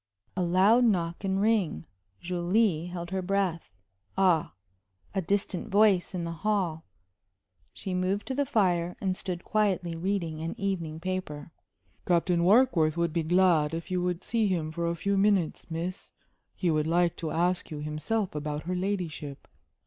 A loud knock and ring. Julie held her breath. Ah! A distant voice in the hall. She moved to the fire, and stood quietly reading an evening paper. "Captain Warkworth would be glad if you would see him for a few minutes, miss. He would like to ask you himself about her ladyship."